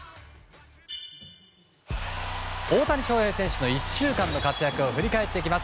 大谷選手の１週間の活躍を振り返っていきます